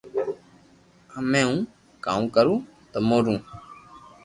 ھمي ھون ڪاو ڪرو تمو رو